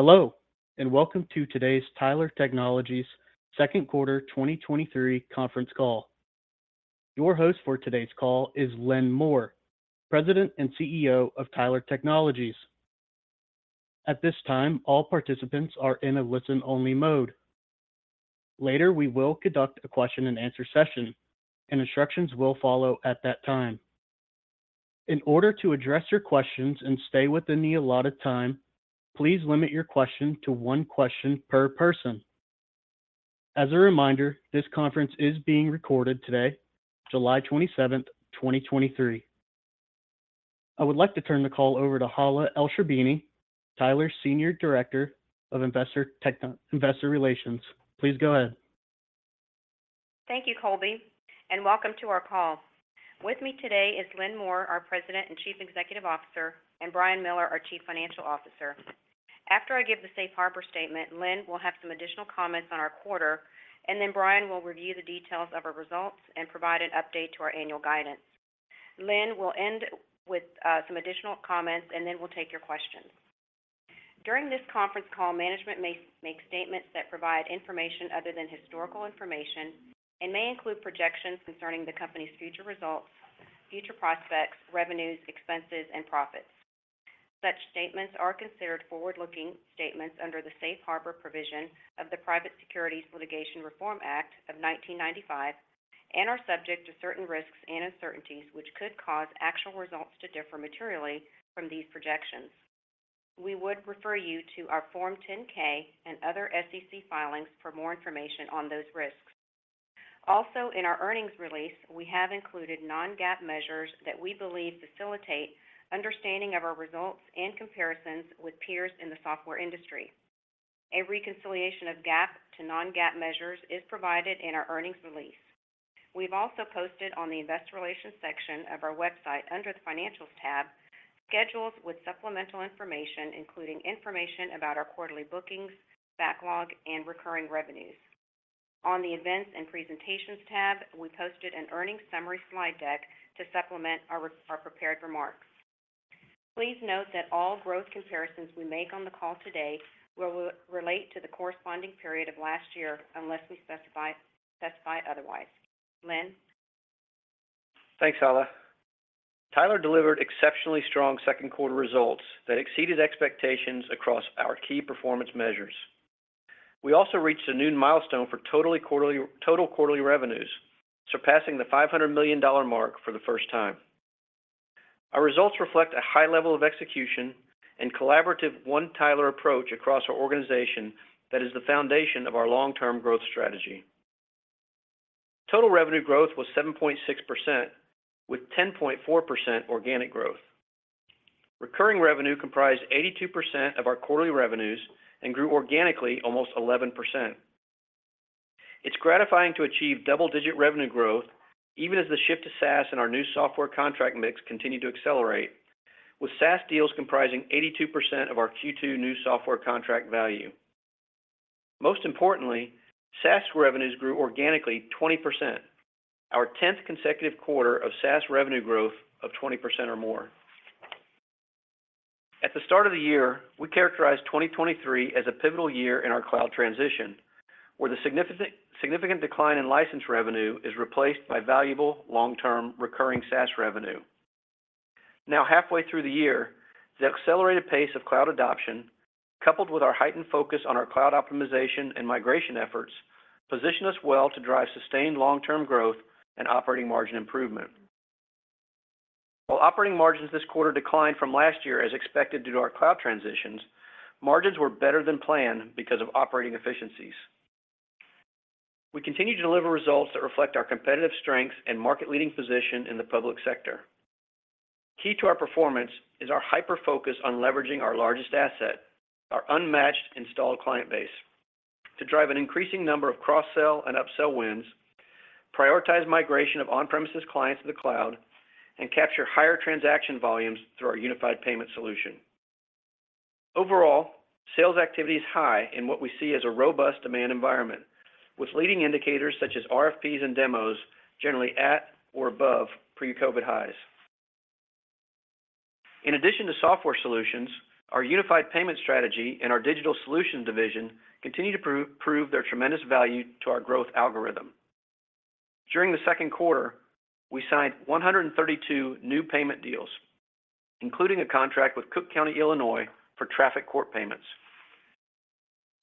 Hello, and welcome to today's Tyler Technologies Second Quarter 2023 conference call. Your host for today's call is Lynn Moore, President and CEO of Tyler Technologies. At this time, all participants are in a listen-only mode. Later, we will conduct a question-and-answer session. Instructions will follow at that time. In order to address your questions and stay within the allotted time, please limit your question to one question per person. As a reminder, this conference is being recorded today, July 27th, 2023. I would like to turn the call over to Hala Elsherbini, Tyler's Senior Director of Investor Relations. Please go ahead. Thank you, Colby, and welcome to our call. With me today is Lynn Moore, our President and Chief Executive Officer, and Brian Miller, our Chief Financial Officer. After I give the Safe Harbor statement, Lynn will have some additional comments on our quarter, and then Brian will review the details of our results and provide an update to our annual guidance. Lynn will end with some additional comments, and then we'll take your questions. During this conference call, management may make statements that provide information other than historical information and may include projections concerning the company's future results, future prospects, revenues, expenses, and profits. Such statements are considered forward-looking statements under the Safe Harbor provision of the Private Securities Litigation Reform Act of 1995 and are subject to certain risks and uncertainties, which could cause actual results to differ materially from these projections. We would refer you to our Form 10-K and other SEC filings for more information on those risks. In our earnings release, we have included non-GAAP measures that we believe facilitate understanding of our results and comparisons with peers in the software industry. A reconciliation of GAAP to non-GAAP measures is provided in our earnings release. We've also posted on the investor relations section of our website, under the Financial tab, schedules with supplemental information, including information about our quarterly bookings, backlog, and recurring revenues. On the Events and Presentations tab, we posted an earnings summary slide deck to supplement our prepared remarks. Please note that all growth comparisons we make on the call today will relate to the corresponding period of last year, unless we specify otherwise. Lynn? Thanks, Hala. Tyler delivered exceptionally strong Q2 results that exceeded expectations across our key performance measures. We also reached a new milestone for total quarterly revenues, surpassing the $500 million mark for the first time. Our results reflect a high level of execution and collaborative One Tyler approach across our organization that is the foundation of our long-term growth strategy. Total revenue growth was 7.6%, with 10.4% organic growth. Recurring revenue comprised 82% of our quarterly revenues and grew organically almost 11%. It's gratifying to achieve double-digit revenue growth, even as the shift to SaaS and our new software contract mix continue to accelerate, with SaaS deals comprising 82% of our Q2 new software contract value. Most importantly, SaaS revenues grew organically 20%, our 10th consecutive quarter of SaaS revenue growth of 20% or more. At the start of the year, we characterized 2023 as a pivotal year in our cloud transition, where the significant decline in license revenue is replaced by valuable, long-term, recurring SaaS revenue. Halfway through the year, the accelerated pace of cloud adoption, coupled with our heightened focus on our cloud optimization and migration efforts, position us well to drive sustained long-term growth and operating margin improvement. Operating margins this quarter declined from last year as expected due to our cloud transitions, margins were better than planned because of operating efficiencies. We continue to deliver results that reflect our competitive strength and market-leading position in the public sector. Key to our performance is our hyper-focus on leveraging our largest asset, our unmatched installed client base, to drive an increasing number of cross-sell and upsell wins, prioritize migration of on-premises clients to the cloud, and capture higher transaction volumes through our unified payment solution. Overall, sales activity is high in what we see as a robust demand environment, with leading indicators such as RFPs and demos generally at or above pre-COVID highs. In addition to software solutions, our unified payment strategy and our Digital Solutions Division continue to prove their tremendous value to our growth algorithm. During the Q2, we signed 132 new payment deals, including a contract with Cook County, Illinois, for traffic court payments.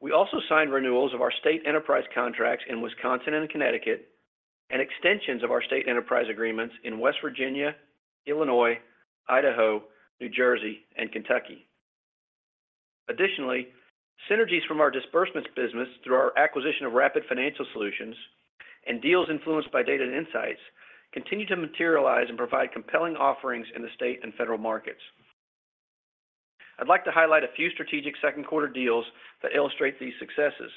We also signed renewals of our state enterprise contracts in Wisconsin and Connecticut, and extensions of our state enterprise agreements in West Virginia, Illinois, Idaho, New Jersey, and Kentucky. Additionally, synergies from our disbursements business through our acquisition of Rapid Financial Servicess and deals influenced by Data and Insights continue to materialize and provide compelling offerings in the state and federal markets. I'd like to highlight a few strategic Q2 deals that illustrate these successes.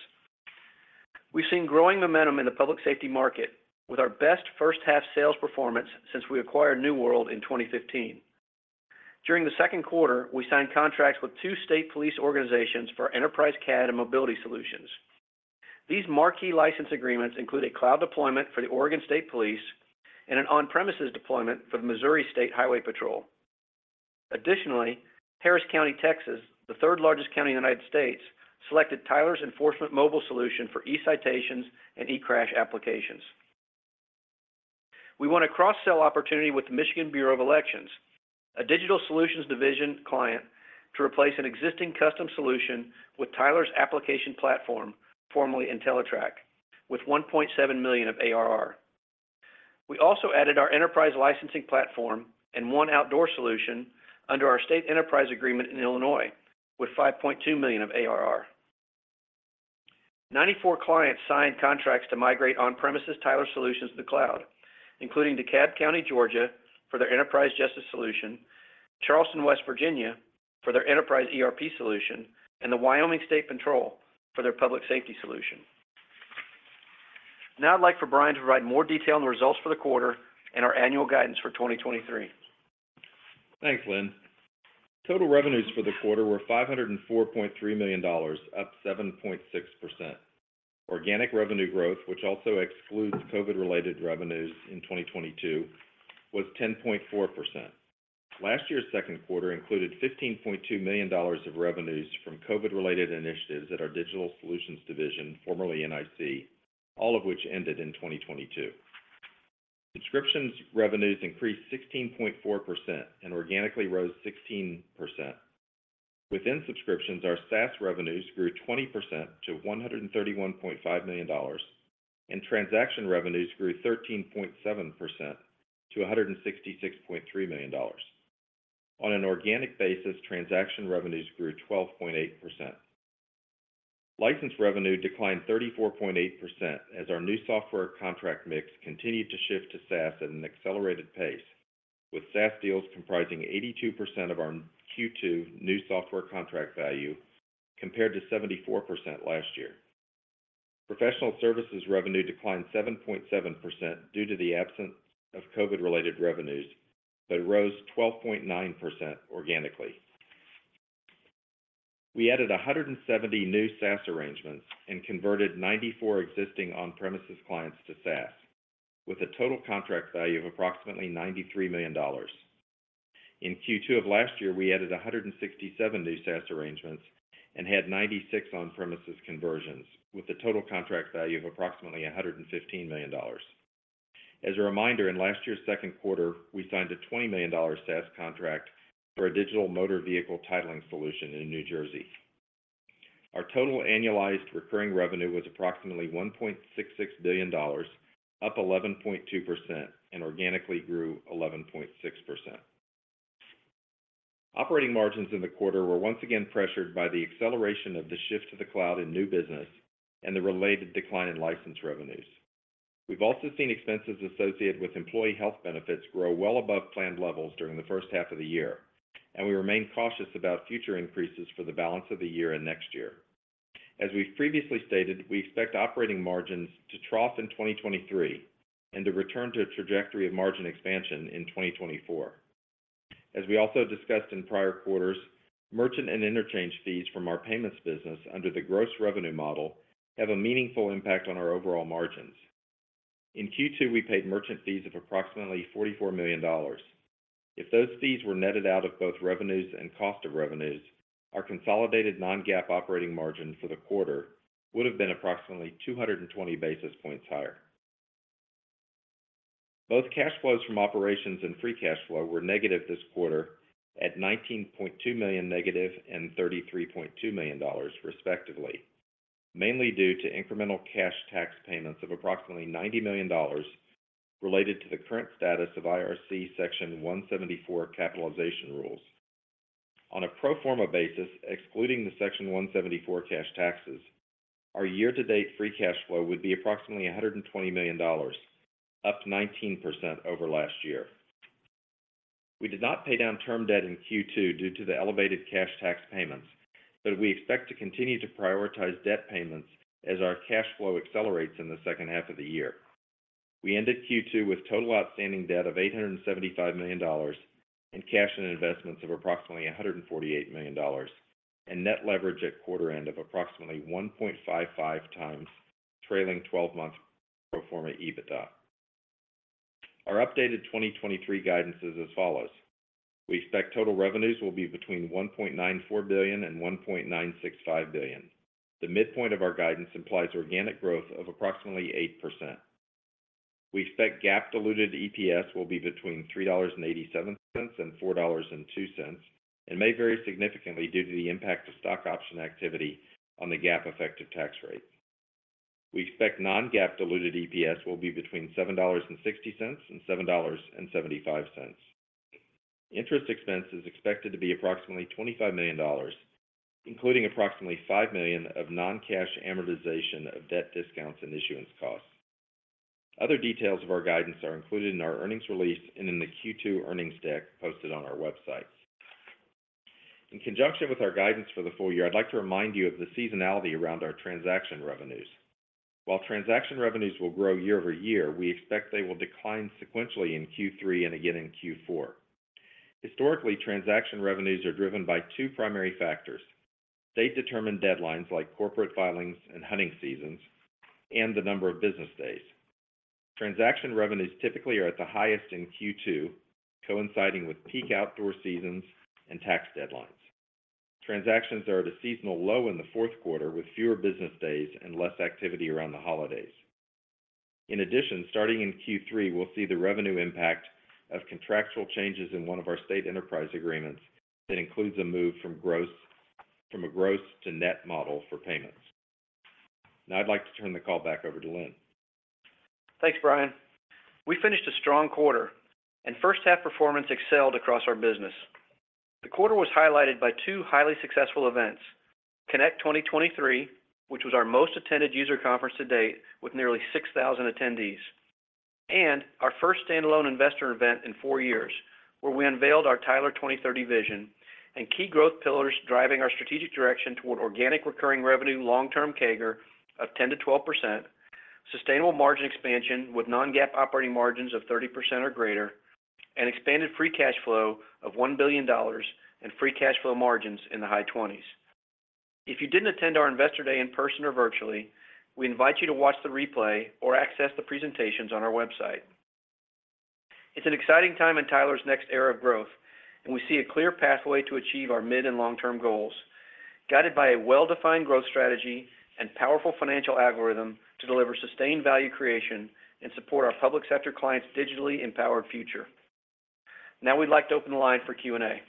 We've seen growing momentum in the public safety market, with our best H1 sales performance since we acquired New World in 2015. During the Q2, we signed contracts with two state police organizations for enterprise CAD and mobility solutions. These marquee license agreements include a cloud deployment for the Oregon State Police and an on-premises deployment for the Missouri State Highway Patrol. Additionally, Harris County, Texas, the third-largest county in the United States, selected Tyler's Enforcement Mobile Solution for eCitations and eCrash applications. We won a cross-sell opportunity with the Michigan Bureau of Elections, a Digital Solutions Division client, to replace an existing custom solution with Tyler's Application Platform, formerly Entellitrak, with $1.7 million of ARR. We also added our Enterprise Permitting & Licensing platform and One Outdoor solution under our state enterprise agreement in Illinois, with $5.2 million of ARR. 94 clients signed contracts to migrate on-premises Tyler solutions to the cloud, including DeKalb County, Georgia, for their enterprise justice solution, Charleston, West Virginia, for their enterprise ERP solution, and the Wyoming Highway Patrol for their public safety solution. I'd like for Brian to provide more detail on the results for the quarter and our annual guidance for 2023. Thanks, Lynn. Total revenues for the quarter were $504.3 million, up 7.6%. Organic revenue growth, which also excludes COVID-related revenues in 2022, was 10.4%. Last year's Q2 included $15.2 million of revenues from COVID-related initiatives at our Digital Solutions Division, formerly NIC, all of which ended in 2022. Subscriptions revenues increased 16.4% and organically rose 16%. Within subscriptions, our SaaS revenues grew 20% to $131.5 million, and transaction revenues grew 13.7% to $166.3 million. On an organic basis, transaction revenues grew 12.8%. License revenue declined 34.8% as our new software contract mix continued to shift to SaaS at an accelerated pace, with SaaS deals comprising 82% of our Q2 new software contract value, compared to 74% last year. Professional services revenue declined 7.7% due to the absence of COVID-related revenues, but rose 12.9% organically. We added 170 new SaaS arrangements and converted 94 existing on-premises clients to SaaS, with a total contract value of approximately $93 million. In Q2 of last year, we added 167 new SaaS arrangements and had 96 on-premises conversions, with a total contract value of approximately $115 million. As a reminder, in last year's Q2, we signed a $20 million SaaS contract for a digital motor vehicle titling solution in New Jersey. Our total annualized recurring revenue was approximately $1.66 billion, up 11.2%, and organically grew 11.6%. Operating margins in the quarter were once again pressured by the acceleration of the shift to the cloud in new business and the related decline in license revenues. We've also seen expenses associated with employee health benefits grow well above planned levels during the H1 of the year, and we remain cautious about future increases for the balance of the year and next year. As we've previously stated, we expect operating margins to trough in 2023 and to return to a trajectory of margin expansion in 2024. As we also discussed in prior quarters, merchant and interchange fees from our payments business under the gross revenue model have a meaningful impact on our overall margins. In Q2, we paid merchant fees of approximately $44 million. If those fees were netted out of both revenues and cost of revenues, our consolidated non-GAAP operating margin for the quarter would have been approximately 220 basis points higher. Both cash flows from operations and free cash flow were negative this quarter at $19.2 million negative and $33.2 million, respectively, mainly due to incremental cash tax payments of approximately $90 million related to the current status of IRC Section 174 capitalization rules. On a pro forma basis, excluding the Section 174 cash taxes, our year-to-date free cash flow would be approximately $120 million, up 19% over last year. We did not pay down term debt in Q2 due to the elevated cash tax payments, we expect to continue to prioritize debt payments as our cash flow accelerates in the H2 of the year. We ended Q2 with total outstanding debt of $875 million and cash and investments of approximately $148 million, and net leverage at quarter end of approximately 1.55 times trailing 12-month pro forma EBITDA. Our updated 2023 guidance is as follows: We expect total revenues will be between $1.94 billion and $1.965 billion. The midpoint of our guidance implies organic growth of approximately 8%. We expect GAAP diluted EPS will be between $3.87 and $4.02, and may vary significantly due to the impact of stock option activity on the GAAP effective tax rate. We expect non-GAAP diluted EPS will be between $7.60 and $7.75. Interest expense is expected to be approximately $25 million, including approximately $5 million of non-cash amortization of debt discounts and issuance costs. Other details of our guidance are included in our earnings release and in the Q2 earnings deck posted on our website. In conjunction with our guidance for the full year, I'd like to remind you of the seasonality around our transaction revenues. Transaction revenues will grow year-over-year, we expect they will decline sequentially in Q3 and again in Q4. Historically, transaction revenues are driven by two primary factors: state-determined deadlines, like corporate filings and hunting seasons, and the number of business days. Transaction revenues typically are at the highest in Q2, coinciding with peak outdoor seasons and tax deadlines. Transactions are at a seasonal low in the Q4, with fewer business days and less activity around the holidays. In addition, starting in Q3, we'll see the revenue impact of contractual changes in one of our state enterprise agreements that includes a move from a gross to net model for payments. I'd like to turn the call back over to Lynn. Thanks, Brian. We finished a strong quarter, and H1 performance excelled across our business. The quarter was highlighted by two highly successful events: Connect 2023, which was our most attended user conference to date with nearly 6,000 attendees, and our first standalone investor event in 4 years, where we unveiled our Tyler 2030 vision and key growth pillars driving our strategic direction toward organic recurring revenue, long-term CAGR of 10%-12%, sustainable margin expansion with non-GAAP operating margins of 30% or greater, and expanded free cash flow of $1 billion and free cash flow margins in the high 20s. If you didn't attend our Investor Day in person or virtually, we invite you to watch the replay or access the presentations on our website. It's an exciting time in Tyler's next era of growth, and we see a clear pathway to achieve our mid and long-term goals, guided by a well-defined growth strategy and powerful financial algorithm to deliver sustained value creation and support our public sector clients' digitally empowered future. Now, we'd like to open the line for Q&A.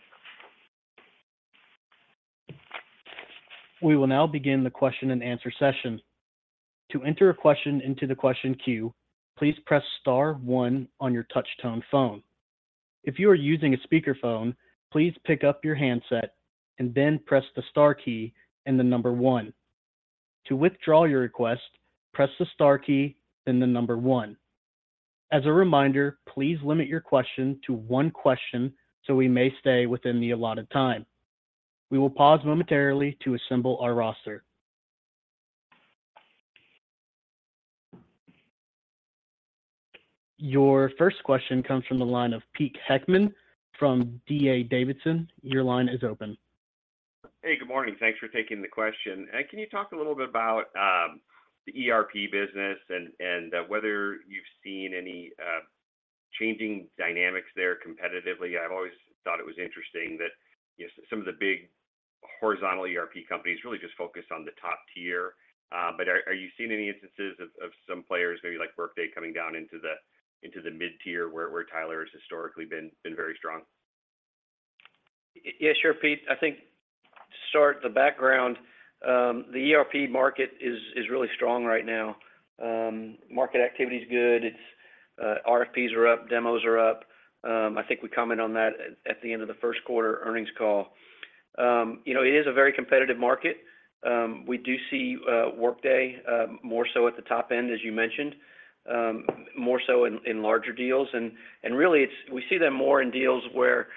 We will now begin the question and answer session. To enter a question into the question queue, please press star one on your touch tone phone. If you are using a speakerphone, please pick up your handset and then press the star key and the number one. To withdraw your request, press the star key, then the number one. As a reminder, please limit your question to one question so we may stay within the allotted time. We will pause momentarily to assemble our roster. Your first question comes from the line of Pete Heckmann from D.A. Davidson. Your line is open. Hey, good morning. Thanks for taking the question. Can you talk a little bit about the ERP business and whether you've seen any changing dynamics there competitively? I've always thought it was interesting that, you know, some of the big horizontal ERP companies really just focus on the top tier. Are you seeing any instances of some players, maybe like Workday, coming down into the mid-tier, where Tyler has historically been very strong? Yeah, sure, Pete. I think to start the background, the ERP market is really strong right now. Market activity is good. It's RFPs are up, demos are up. I think we comment on that at the end of the Q1 earnings call. You know, it is a very competitive market. We do see Workday more so at the top end, as you mentioned, more so in larger deals. Really, it's. We see them more in deals where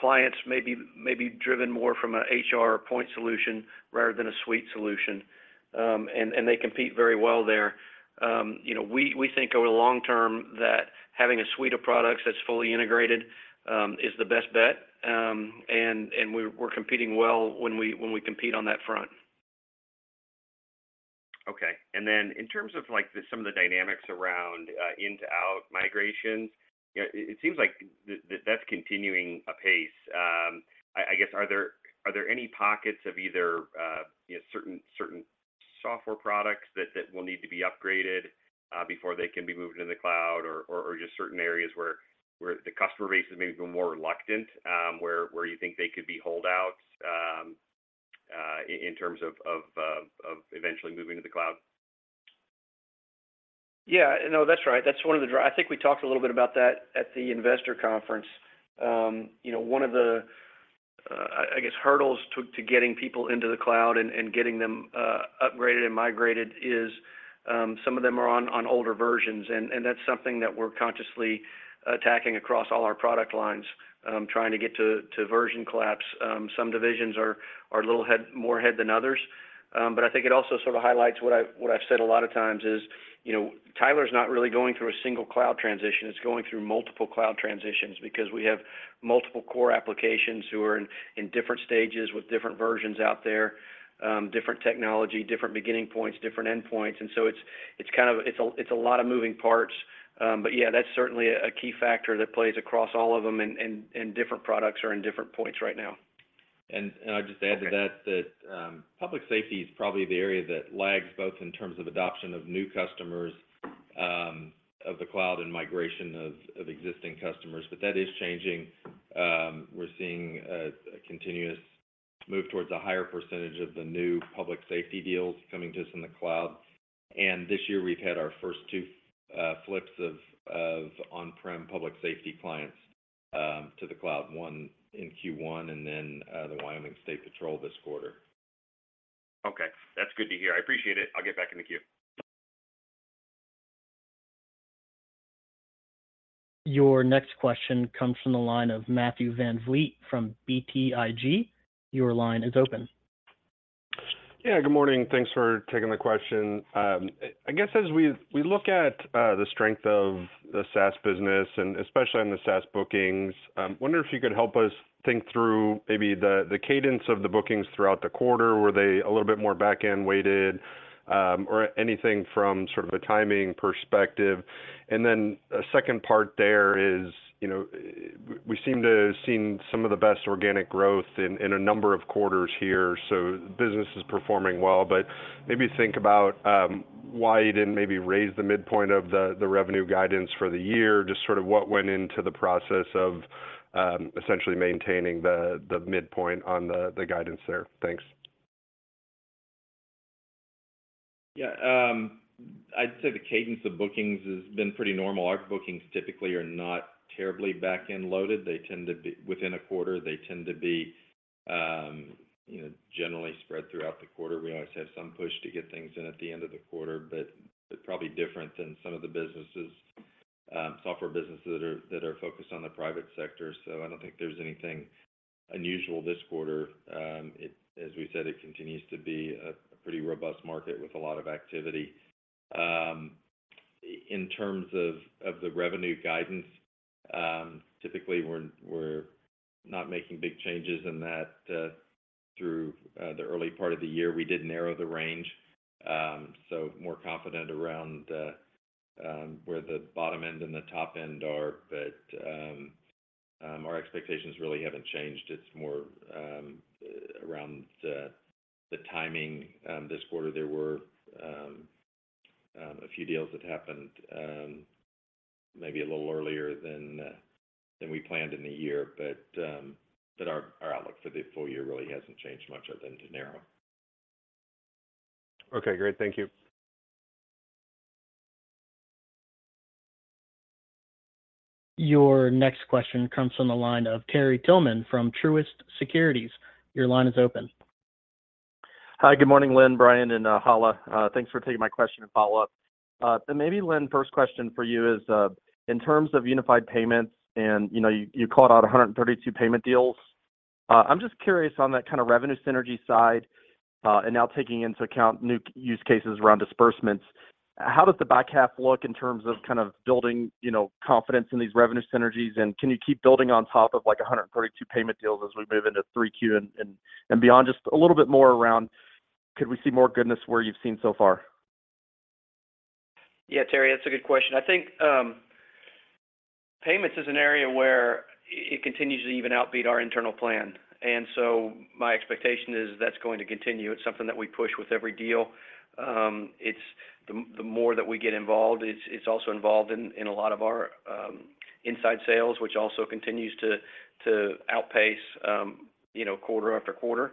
clients may be driven more from a HR point solution rather than a suite solution, and they compete very well there. You know, we think over the long term that having a suite of products that's fully integrated, is the best bet, and we're competing well when we compete on that front. In terms of, like, the some of the dynamics around in-to-out migrations, it seems like that's continuing apace. I guess, are there any pockets of either, you know, certain software products that will need to be upgraded before they can be moved into the cloud, or just certain areas where the customer base is maybe more reluctant, where you think they could be holdouts in terms of eventually moving to the cloud? Yeah. No, that's right. That's one of the I think we talked a little bit about that at the investor conference. You know, one of the, I guess, hurdles to getting people into the cloud and getting them upgraded and migrated is some of them are on older versions, and that's something that we're consciously attacking across all our product lines, trying to get to version collapse. Some divisions are a little ahead, more ahead than others. I think it also sort of highlights what I've said a lot of times is, you know, Tyler's not really going through a single cloud transition, it's going through multiple cloud transitions because we have multiple core applications who are in different stages with different versions out there, different technology, different beginning points, different end points. It's kind of. It's a lot of moving parts. Yeah, that's certainly a key factor that plays across all of them, and different products are in different points right now. I'd just add to that. Okay that public safety is probably the area that lags both in terms of adoption of new customers, of the cloud and migration of existing customers, but that is changing. We're seeing a continuous move towards a higher percentage of the new public safety deals coming to us in the cloud. This year, we've had our first two flips of on-prem public safety clients to the cloud, one in Q1, and then the Wyoming Highway Patrol this quarter. That's good to hear. I appreciate it. I'll get back in the queue. Your next question comes from the line of Matthew VanVliet from BTIG. Your line is open. Yeah, good morning. Thanks for taking the question. I guess as we look at the strength of the SaaS business, and especially on the SaaS bookings, I wonder if you could help us think through maybe the cadence of the bookings throughout the quarter. Were they a little bit more back-end weighted, or anything from sort of a timing perspective? A second part there is, you know, we seem to have seen some of the best organic growth in a number of quarters here, so business is performing well. Maybe think about why you didn't maybe raise the midpoint of the revenue guidance for the year, just sort of what went into the process of essentially maintaining the midpoint on the guidance there. Thanks. Yeah, I'd say the cadence of bookings has been pretty normal. Our bookings typically are not terribly back-end loaded. Within a quarter, they tend to be, you know, generally spread throughout the quarter. We always have some push to get things in at the end of the quarter, but they're probably different than some of the businesses, software businesses that are focused on the private sector. I don't think there's anything unusual this quarter. As we said, it continues to be a pretty robust market with a lot of activity. In terms of the revenue guidance, typically, we're not making big changes in that. Through the early part of the year, we did narrow the range, so more confident around where the bottom end and the top end are. Our expectations really haven't changed. It's more around the timing. This quarter, there were a few deals that happened, maybe a little earlier than we planned in the year, our outlook for the full year really hasn't changed much other than to narrow. Okay, great. Thank you. Your next question comes from the line of Terry Tillman from Truist Securities. Your line is open. Hi, good morning, Lynn, Brian, and Hala. Thanks for taking my question and follow-up. Maybe, Lynn, first question for you is in terms of unified payments, you know, you called out 132 payment deals. I'm just curious on that kind of revenue synergy side, and now taking into account new use cases around disbursements, how does the back half look in terms of kind of building, you know, confidence in these revenue synergies? Can you keep building on top of, like, 132 payment deals as we move into Q3 and beyond? Just a little bit more around could we see more goodness where you've seen so far? Yeah, Terry, that's a good question. I think payments is an area where it continues to even outbeat our internal plan, my expectation is that's going to continue. It's something that we push with every deal. It's the more that we get involved, it's also involved in a lot of our inside sales, which also continues to outpace, you know, quarter after quarter.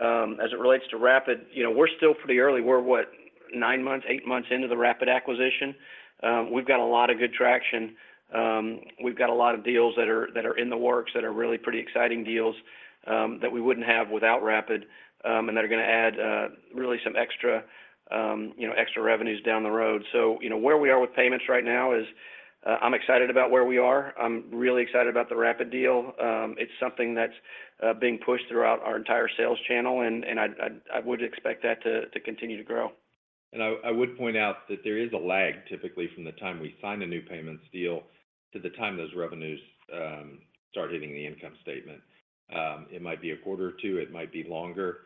As it relates to Rapid, you know, we're still pretty early. We're what? Nine months, eight months into the Rapid acquisition. We've got a lot of good traction. We've got a lot of deals that are in the works, that are really pretty exciting deals, that we wouldn't have without Rapid, that are gonna add really some extra, you know, extra revenues down the road. You know, where we are with payments right now is, I'm excited about where we are. I'm really excited about the Rapid deal. It's something that's being pushed throughout our entire sales channel, and I would expect that to continue to grow. I would point out that there is a lag typically from the time we sign a new payments deal to the time those revenues start hitting the income statement. It might be a quarter or 2, it might be longer.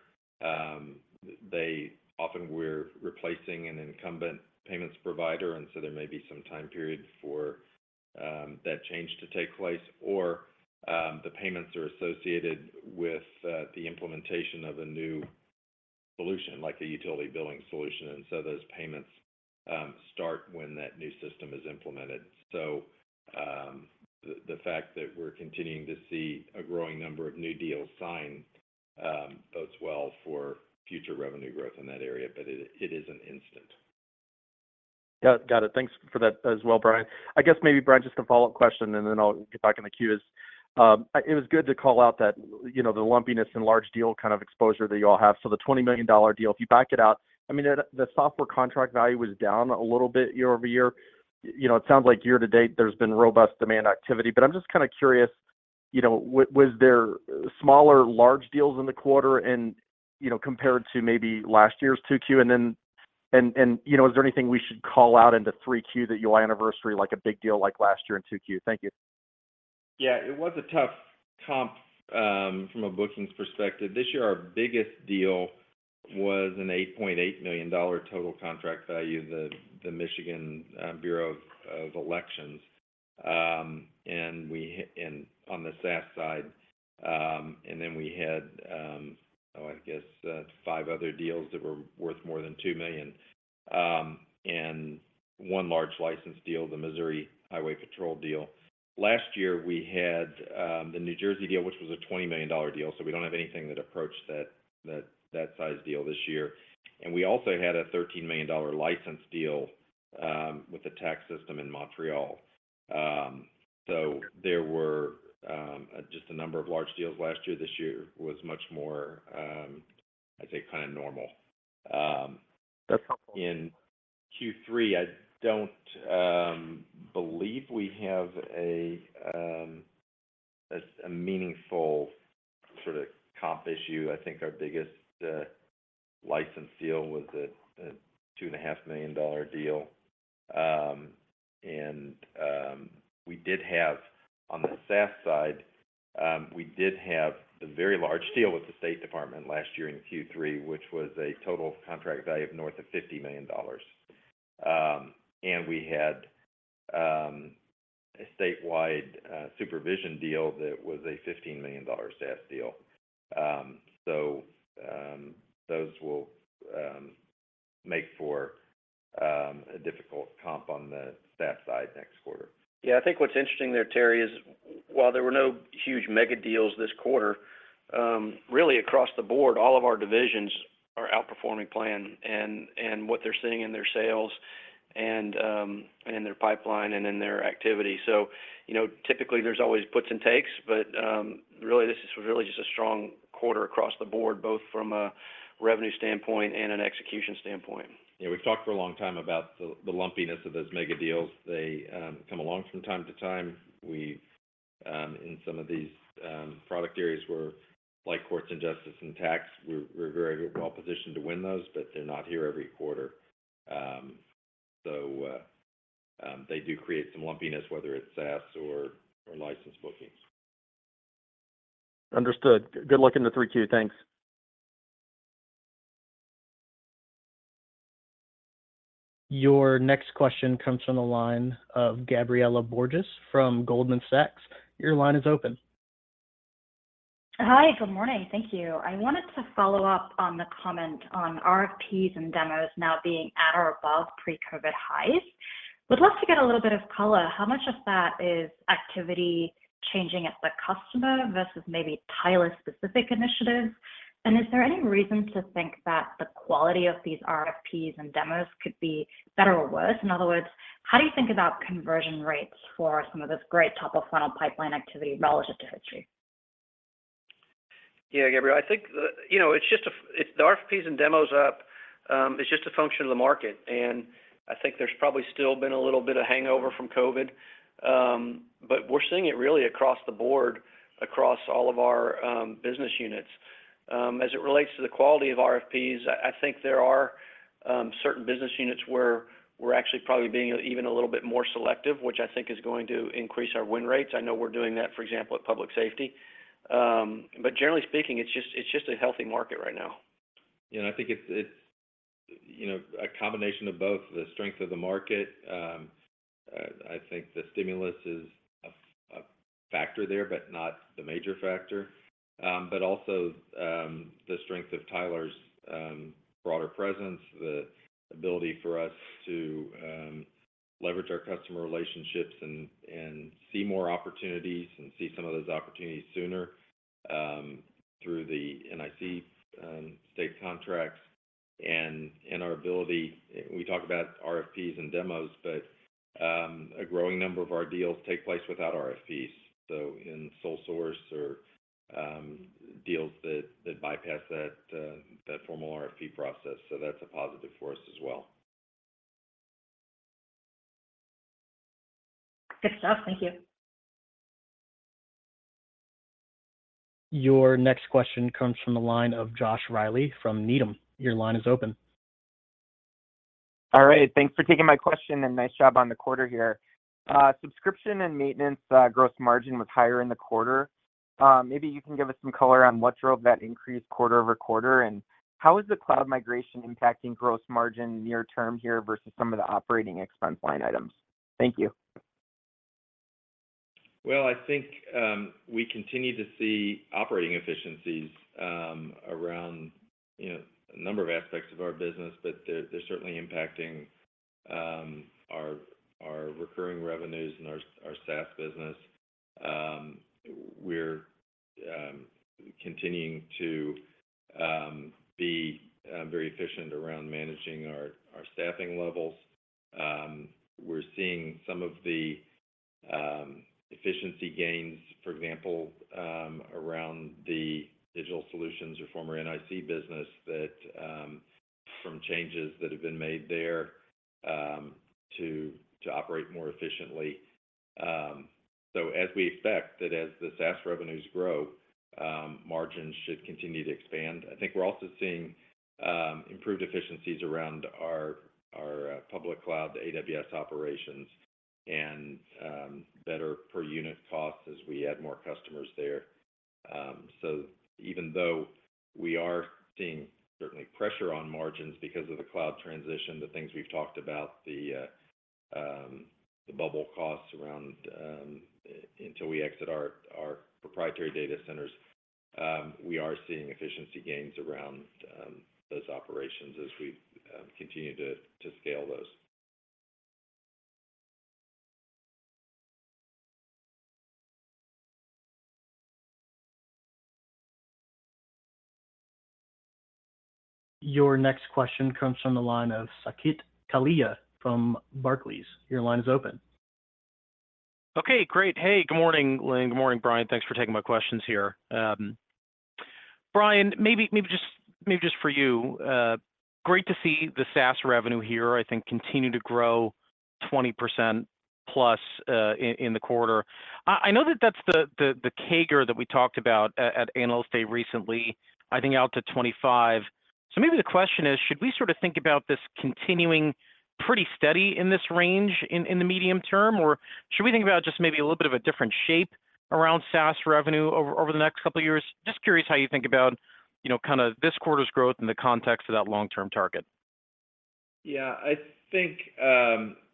Often we're replacing an incumbent payments provider, there may be some time period for that change to take place, or the payments are associated with the implementation of a new solution, like the utility billing solution, those payments start when that new system is implemented. The fact that we're continuing to see a growing number of new deals signed bodes well for future revenue growth in that area, but it isn't instant. Got it. Thanks for that as well, Brian. I guess maybe, Brian, just a follow-up question, then I'll get back in the queue. It was good to call out that, you know, the lumpiness and large deal kind of exposure that you all have. So the $20 million deal, if you back it out, I mean, the software contract value was down a little bit year-over-year. You know, it sounds like year to date, there's been robust demand activity, but I'm just kind of curious, you know, was there smaller, large deals in the quarter and, you know, compared to maybe last year's 2Q? You know, is there anything we should call out into Q3 that you anniversary like a big deal like last year in 2Q? Thank you. Yeah. It was a tough comp from a bookings perspective. This year, our biggest deal was an $8.8 million total contract value, the Michigan Bureau of Elections, and on the SaaS side. Then we had, I guess, 5 other deals that were worth more than $2 million, and one large license deal, the Missouri Highway Patrol deal. Last year, we had the New Jersey deal, which was a $20 million deal, so we don't have anything that approached that size deal this year. We also had a $13 million license deal with the tax system in Montreal. There were just a number of large deals last year. This year was much more, I'd say, kind of normal. That's helpful. In Q3, I don't believe we have as a meaningful sort of comp issue. I think our biggest license deal was a two and a half million dollar deal. We did have, on the SaaS side, we did have a very large deal with the State Department last year in Q3, which was a total contract value of north of $50 million. We had a statewide supervision deal that was a $15 million SaaS deal. Those will make for a difficult comp on the SaaS side next quarter. Yeah, I think what's interesting there, Terry, is while there were no huge mega deals this quarter, really across the board, all of our divisions are outperforming plan, and what they're seeing in their sales, and in their pipeline, and in their activity. You know, typically, there's always puts and takes, but really this is really just a strong quarter across the board, both from a revenue standpoint and an execution standpoint. Yeah, we've talked for a long time about the lumpiness of those mega deals. They come along from time to time. We've In some of these product areas where, like courts and justice and tax, we're very well positioned to win those, but they're not here every quarter. They do create some lumpiness, whether it's SaaS or license bookings. Understood. Good luck in the Q3. Thanks. Your next question comes from the line of Gabriela Borges from Goldman Sachs. Your line is open. Hi, good morning. Thank you. I wanted to follow up on the comment on RFPs and demos now being at or above pre-COVID highs. Would love to get a little bit of color. How much of that is activity changing at the customer versus maybe Tyler-specific initiatives? Is there any reason to think that the quality of these RFPs and demos could be better or worse? In other words, how do you think about conversion rates for some of this great top-of-funnel pipeline activity relative to history? Gabriela, I think the, you know, it's just the RFPs and demos up, is just a function of the market, and I think there's probably still been a little bit of hangover from COVID. We're seeing it really across the board, across all of our business units. As it relates to the quality of RFPs, I think there are certain business units where we're actually probably being even a little bit more selective, which I think is going to increase our win rates. I know we're doing that, for example, at Public Safety. Generally speaking, it's just a healthy market right now. Yeah, I think it's, you know, a combination of both the strength of the market, I think the stimulus is a factor there, but not the major factor. Also, the strength of Tyler's broader presence, the ability for us to leverage our customer relationships and see more opportunities, and see some of those opportunities sooner, through the NIC state contracts and our ability. We talk about RFPs and demos, but a growing number of our deals take place without RFPs, so in sole source or deals that bypass that formal RFP process. That's a positive for us as well. Good stuff. Thank you. Your next question comes from the line of Joshua Reilly from Needham. Your line is open. All right, thanks for taking my question, and nice job on the quarter here. Subscription and maintenance gross margin was higher in the quarter. Maybe you can give us some color on what drove that increase quarter over quarter, and how is the cloud migration impacting gross margin near term here versus some of the operating expense line items? Thank you. Well, I think, we continue to see operating efficiencies, around, you know, a number of aspects of our business, but they're certainly impacting, our recurring revenues and our SaaS business. We're continuing to be very efficient around managing our staffing levels. We're seeing some of the efficiency gains, for example, around the Digital Solutions or former NIC business, that from changes that have been made there, to operate more efficiently. As we expect that as the SaaS revenues grow, margins should continue to expand. I think we're also seeing improved efficiencies around our public cloud, the AWS operations, and better per unit costs as we add more customers there. Even though we are seeing certainly pressure on margins because of the cloud transition, the things we've talked about, the bubble costs around until we exit our proprietary data centers, we are seeing efficiency gains around those operations as we continue to scale those. Your next question comes from the line of Saket Kalia from Barclays. Your line is open. Okay, great. Hey, good morning, Lynn, good morning, Brian. Thanks for taking my questions here. Brian, maybe just for you, great to see the SaaS revenue here, I think, continue to grow 20% plus in the quarter. I know that that's the CAGR that we talked about at Analyst Day recently, I think out to 2025. Maybe the question is, should we sort of think about this continuing pretty steady in this range in the medium term? Or should we think about just maybe a little bit of a different shape around SaaS revenue over the next couple of years? Just curious how you think about, you know, kind of this quarter's growth in the context of that long-term target. Yeah. I think in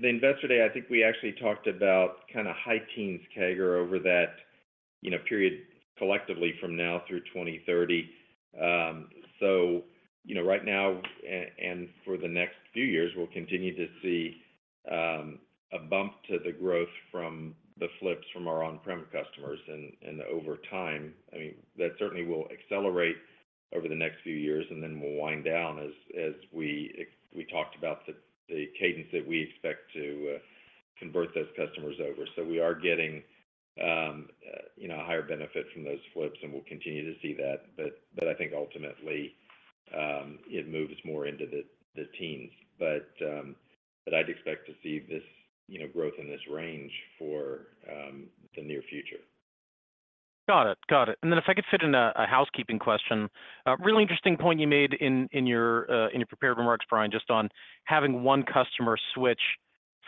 the Investor Day, I think we actually talked about kind of high teens CAGR over that period collectively from now through 2030. Right now and for the next few years, we'll continue to see a bump to the growth from the flips from our on-prem customers. Over time, that certainly will accelerate over the next few years, and then will wind down as we talked about the cadence that we expect to convert those customers over. We are getting a higher benefit from those flips, and we'll continue to see that. But I think ultimately, it moves more into the teens. I'd expect to see this, you know, growth in this range for the near future. Got it. Got it. Then if I could fit in a housekeeping question. A really interesting point you made in your prepared remarks, Brian, just on having one customer switch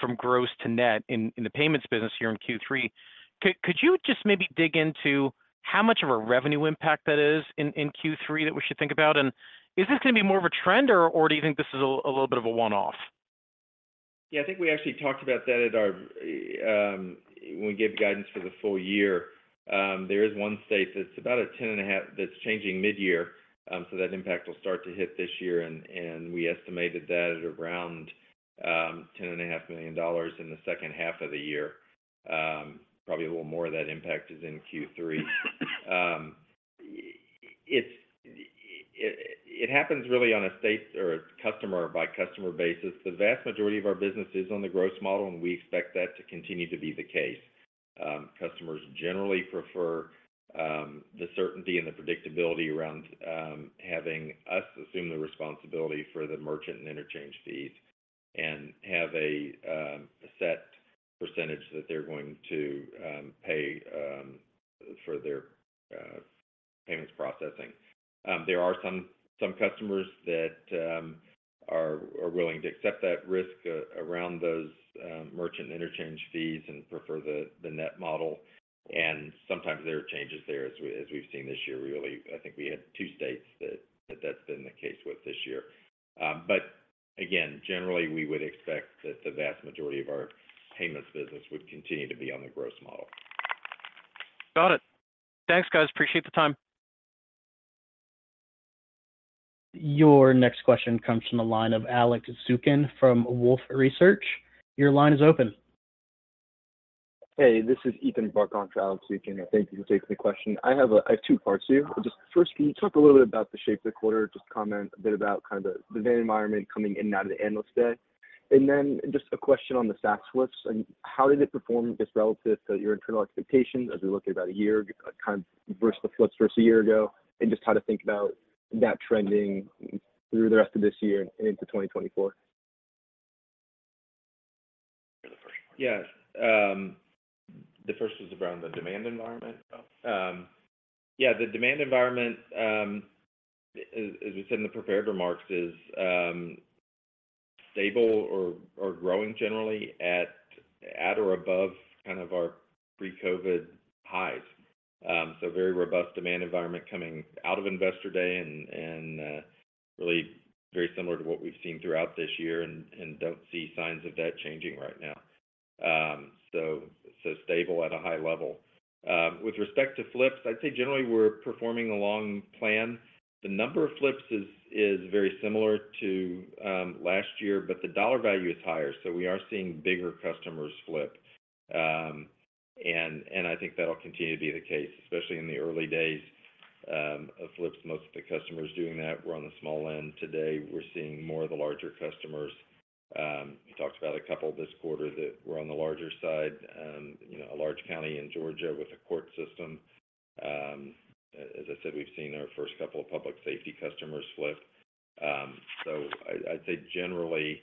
from gross to net in the payments business here in Q3. Could you just maybe dig into how much of a revenue impact that is in Q3 that we should think about? Is this gonna be more of a trend, or do you think this is a little bit of a one-off? Yeah, I think we actually talked about that at our when we gave guidance for the full year. There is one state that's about a 10 and a half that's changing mid-year, so that impact will start to hit this year, and we estimated that at around ten and a half million dollars in the H2 of the year. Probably a little more of that impact is in Q3. It happens really on a state or customer by customer basis. The vast majority of our business is on the gross model, and we expect that to continue to be the case. Customers generally prefer the certainty and the predictability around having us assume the responsibility for the merchant and interchange fees and have a set percentage that they're going to pay for their payments processing. There are some customers that are willing to accept that risk around those merchant interchange fees and prefer the net model, and sometimes there are changes there, as we've seen this year, really. I think we had 2 states that that's been the case with this year. Again, generally, we would expect that the vast majority of our payments business would continue to be on the gross model. Got it. Thanks, guys. Appreciate the time. Your next question comes from the line of Alex Zukin from Wolfe Research. Your line is open. Hey, this is Ethan Barkon for Alex Zukin. Thank you for taking the question. I have two parts here. Just first, can you talk a little bit about the shape of the quarter? Just comment a bit about kind of the, the environment coming in and out of the Analyst Day. Then just a question on the SaaS flips, and how did it perform just relative to your internal expectations as we look at about a year, kind of versus the flips versus a year ago, and just how to think about that trending through the rest of this year and into 2024? Yeah. The first is around the demand environment. Yeah, the demand environment, as we said in the prepared remarks, is stable or growing generally at or above kind of our pre-COVID highs. Very robust demand environment coming out of Investor Day and really very similar to what we've seen throughout this year and don't see signs of that changing right now. Stable at a high level. With respect to flips, I'd say generally we're performing along plan. The number of flips is very similar to last year, but the dollar value is higher, so we are seeing bigger customers flip. I think that'll continue to be the case, especially in the early days of flips. Most of the customers doing that were on the small end. Today, we're seeing more of the larger customers. We talked about a couple this quarter that were on the larger side. You know, a large county in Georgia with a court system. As I said, we've seen our first couple of public safety customers flip. I'd say generally,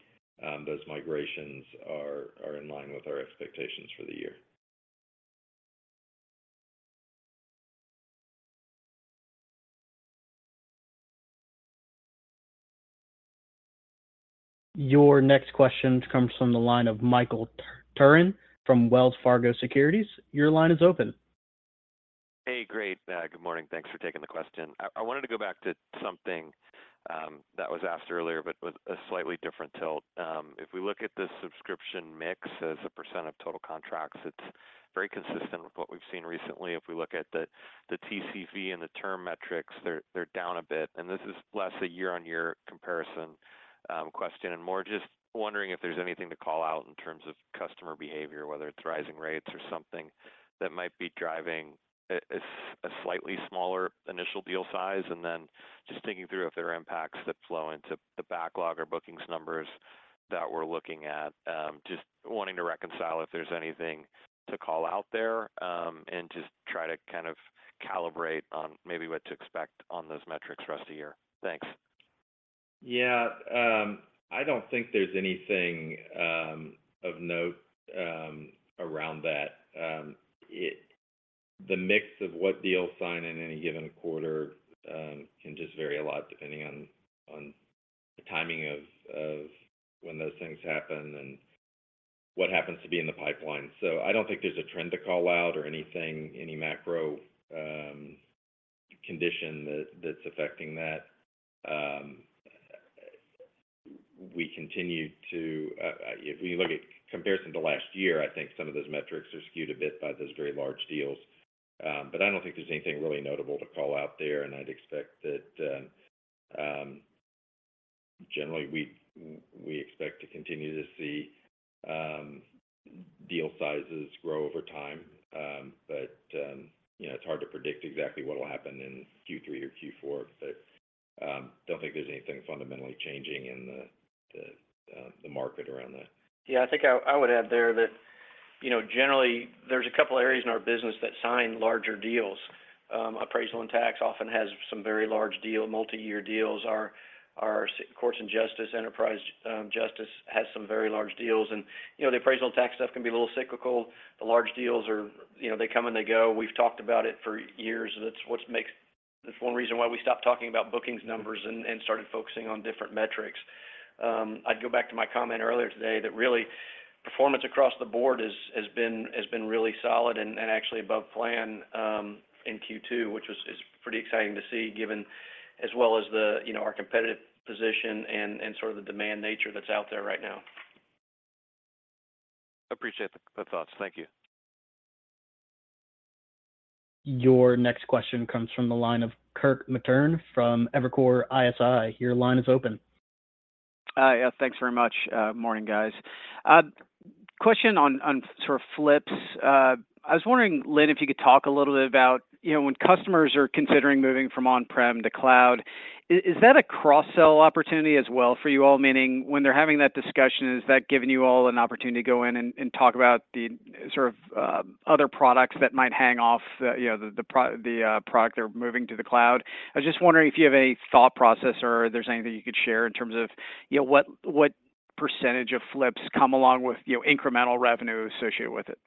those migrations are in line with our expectations for the year. Your next question comes from the line of Michael Turrin from Wells Fargo Securities. Your line is open. Hey, great, good morning. Thanks for taking the question. I wanted to go back to something that was asked earlier, but with a slightly different tilt. If we look at the subscription mix as a % of total contracts, it's very consistent with what we've seen recently. If we look at the TCV and the term metrics, they're down a bit, and this is less a year-over-year comparison question, and more just wondering if there's anything to call out in terms of customer behavior, whether it's rising rates or something that might be driving a slightly smaller initial deal size. Then just thinking through if there are impacts that flow into the backlog or bookings numbers that we're looking at. Just wanting to reconcile if there's anything to call out there, and just try to kind of calibrate on maybe what to expect on those metrics for the rest of the year. Thanks. Yeah, I don't think there's anything of note around that. The mix of what deals sign in any given quarter can just vary a lot depending on the timing of when those things happen and what happens to be in the pipeline. I don't think there's a trend to call out or anything, any macro condition that's affecting that. If we look at comparison to last year, I think some of those metrics are skewed a bit by those very large deals. I don't think there's anything really notable to call out there, and I'd expect that generally, we expect to continue to see deal sizes grow over time. You know, it's hard to predict exactly what will happen in Q3 or Q4. Don't think there's anything fundamentally changing in the market around that. Yeah, I think I, I would add there that, you know, generally, there's a couple areas in our business that sign larger deals. Appraisal and tax often has some very large deal, multi-year deals. Our, our courts and justice, enterprise, justice, has some very large deals. You know, the appraisal and tax stuff can be a little cyclical. The large deals, you know, they come, and they go. We've talked about it for years, that's one reason why we stopped talking about bookings numbers and started focusing on different metrics. I'd go back to my comment earlier today that really, performance across the board has been really solid and actually above plan in Q2, which is pretty exciting to see, given as well as the, our competitive position and sort of the demand nature that's out there right now. Appreciate the thoughts. Thank you. Your next question comes from the line of Kirk Materne from Evercore ISI. Your line is open. Yeah, thanks very much. Morning, guys. Question on sort of flips. I was wondering, Lynn, if you could talk a little bit about, you know, when customers are considering moving from on-prem to cloud, is that a cross-sell opportunity as well for you all? Meaning, when they're having that discussion, is that giving you all an opportunity to go in and talk about the sort of other products that might hang off the, you know, the product they're moving to the cloud? I was just wondering if you have a thought process or if there's anything you could share in terms of, you know, what % of flips come along with, you know, incremental revenue associated with it.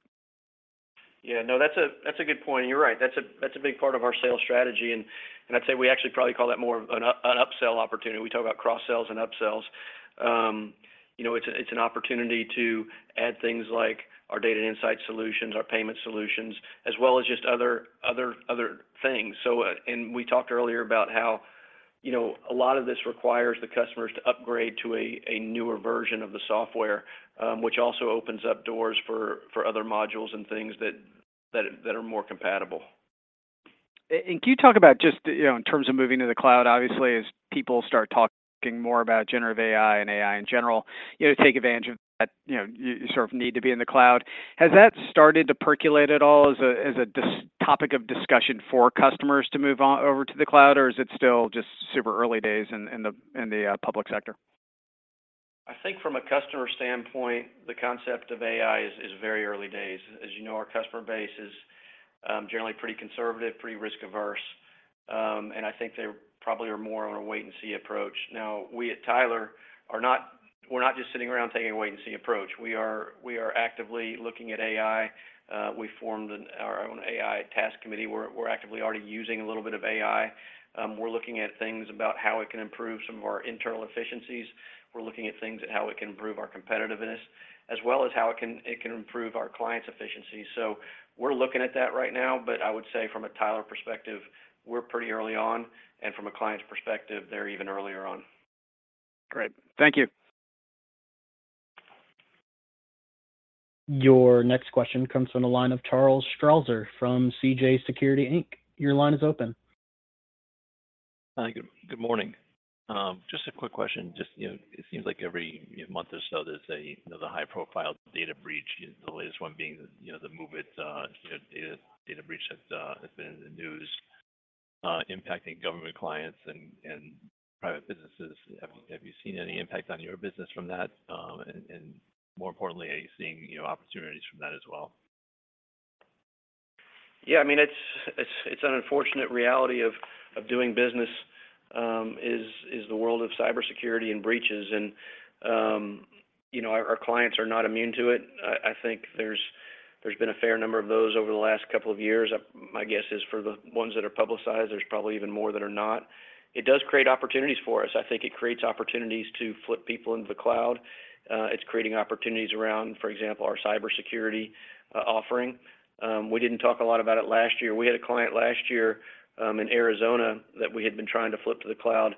Yeah. No, that's a, that's a good point. You're right. That's a, that's a big part of our sales strategy. I'd say we actually probably call that more of an upsell opportunity. We talk about cross-sells and upsells. You know, it's a, it's an opportunity to add things like our Data and Insights solutions, our payment solutions, as well as just other, other things. We talked earlier about how, you know, a lot of this requires the customers to upgrade to a, a newer version of the software, which also opens up doors for, for other modules and things that, that are more compatible. Can you talk about just, you know, in terms of moving to the cloud? Obviously, as people start talking more about generative AI and AI in general, you know, take advantage of that. You know, you sort of need to be in the cloud. Has that started to percolate at all as a topic of discussion for customers to move on, over to the cloud, or is it still just super early days in the public sector? I think from a customer standpoint, the concept of AI is very early days. As you know, our customer base is generally pretty conservative, pretty risk-averse. I think they probably are more on a wait-and-see approach. Now, we at Tyler are not just sitting around taking a wait-and-see approach. We are actively looking at AI. We formed our own AI task committee. We're actively already using a little bit of AI. We're looking at things about how it can improve some of our internal efficiencies. We're looking at things at how it can improve our competitiveness, as well as how it can improve our clients' efficiency. We're looking at that right now, but I would say from a Tyler perspective, we're pretty early on, and from a client's perspective, they're even earlier on. Great. Thank you. Your next question comes from the line of Charles Strauzer from CJS Securities, Inc.. Your line is open. Good morning. Just a quick question. Just, you know, it seems like every, month or so, there's a, you know, the high-profile data breach, the latest one being, you know, the MOVEit, you know, data breach that has been in the news, impacting government clients and private businesses. Have you seen any impact on your business from that? More importantly, are you seeing, you know, opportunities from that as well? Yeah, I mean, it's an unfortunate reality of doing business, is the world of cybersecurity and breaches, and, you know, our clients are not immune to it. I think there's been a fair number of those over the last couple of years. My guess is for the ones that are publicized, there's probably even more that are not. It does create opportunities for us. I think it creates opportunities to flip people into the cloud. It's creating opportunities around, for example, our cybersecurity offering. We didn't talk a lot about it last year. We had a client last year, in Arizona, that we had been trying to flip to the cloud,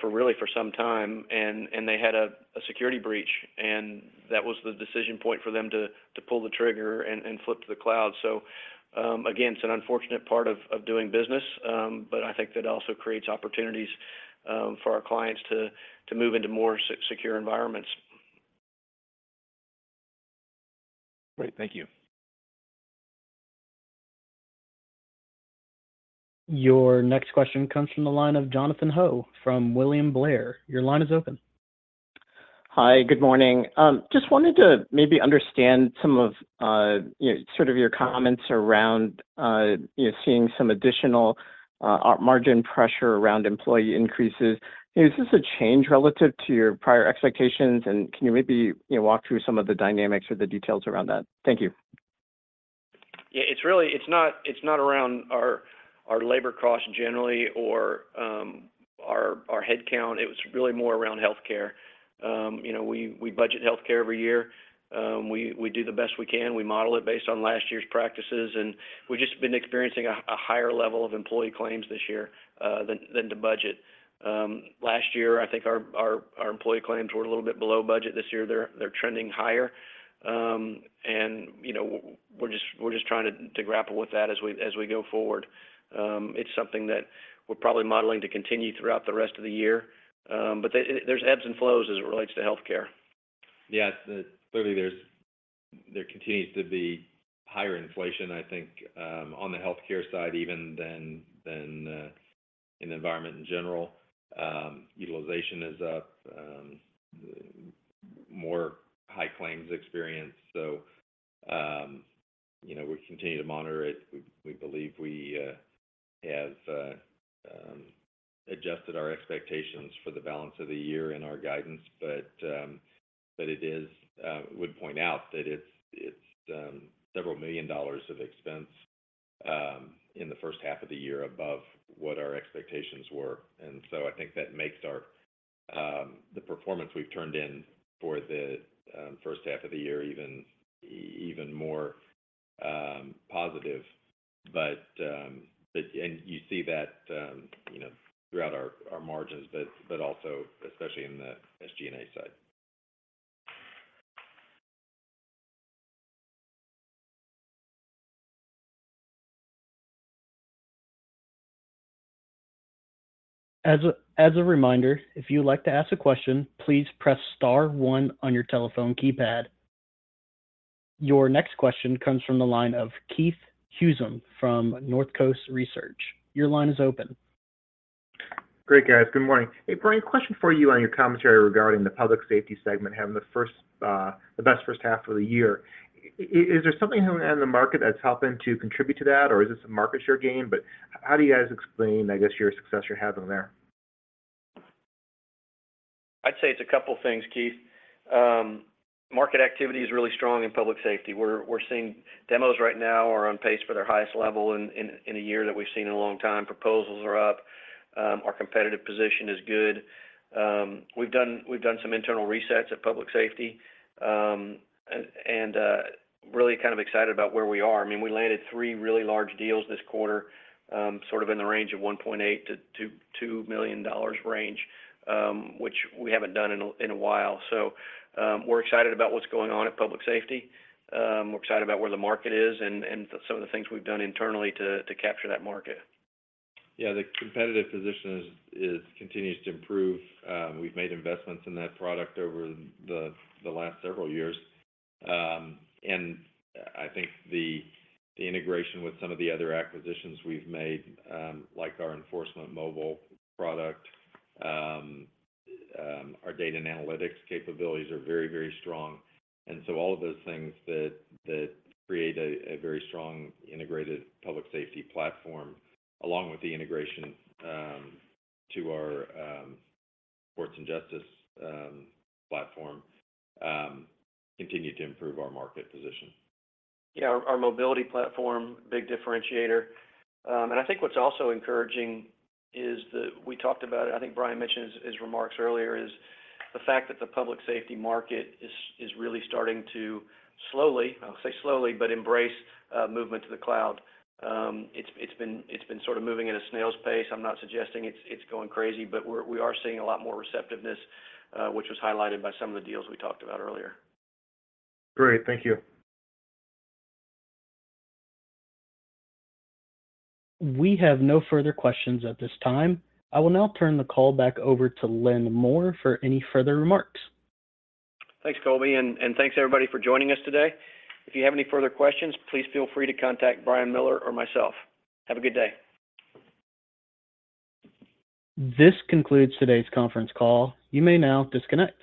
for really for some time, and, and they had a, a security breach, and that was the decision point for them to, to pull the trigger and, and flip to the cloud. Again, it's an unfortunate part of, of doing business, but I think that also creates opportunities for our clients to, to move into more secure environments. Great. Thank you. Your next question comes from the line of Jonathan Ho from William Blair. Your line is open. Hi, good morning. Just wanted to maybe understand some of, you know, sort of your comments around, you know, seeing some additional, margin pressure around employee increases. Is this a change relative to your prior expectations? Can you maybe, you know, walk through some of the dynamics or the details around that? Thank you. Yeah, it's really, it's not around our labor costs generally or our headcount. It was really more around healthcare. You know, we budget healthcare every year. We do the best we can. We model it based on last year's practices, and we've just been experiencing a higher level of employee claims this year than the budget. Last year, I think our employee claims were a little bit below budget. This year, they're trending higher. You know, we're just trying to grapple with that as we go forward. It's something that we're probably modeling to continue throughout the rest of the year. There's ebbs and flows as it relates to healthcare. Yeah, clearly, there continues to be higher inflation, I think, on the healthcare side even than in the environment in general. Utilization is up, more high claims experience, so, you know, we continue to monitor it. We believe we have adjusted our expectations for the balance of the year in our guidance. Would point out that it's several million dollars of expense in the H1 of the year above what our expectations were. I think that makes our the performance we've turned in for the H1 of the year even more positive. You see that, you know, throughout our margins, but also especially in the SG&A side. As a reminder, if you would like to ask a question, please press star 1 on your telephone keypad. Your next question comes from the line of Keith Housum from Northcoast Research. Your line is open. Great, guys. Good morning. Hey, Brian, question for you on your commentary regarding the public safety segment, having the best H1 of the year. Is there something going on in the market that's helping to contribute to that, or is this a market share gain? How do you guys explain, I guess, your success you're having there? I'd say it's a couple things, Keith. Market activity is really strong in public safety. We're seeing demos right now are on pace for their highest level in a year that we've seen in a long time. Proposals are up. Our competitive position is good. We've done some internal resets at public safety, and really kind of excited about where we are. I mean, we landed three really large deals this quarter, sort of in the range of $1.8 million-$2 million range, which we haven't done in a while. We're excited about what's going on at public safety. We're excited about where the market is and some of the things we've done internally to capture that market. The competitive position is continues to improve. We've made investments in that product over the last several years. I think the integration with some of the other acquisitions we've made, like our Enforcement Mobile product, our data and analytics capabilities are very, very strong. All of those things that create a very strong integrated public safety platform, along with the integration to our Courts and Justice platform, continue to improve our market position. Yeah, our mobility platform, big differentiator. I think what's also encouraging is that we talked about it, I think Brian mentioned in his remarks earlier, is the fact that the public safety market is really starting to slowly, I'll say slowly, but embrace movement to the cloud. It's been sort of moving at a snail's pace. I'm not suggesting it's going crazy, but we are seeing a lot more receptiveness, which was highlighted by some of the deals we talked about earlier. Great. Thank you. We have no further questions at this time. I will now turn the call back over to Lynn Moore for any further remarks. Thanks, Colby, and thanks, everybody, for joining us today. If you have any further questions, please feel free to contact Brian Miller or myself. Have a good day. This concludes today's conference call. You may now disconnect.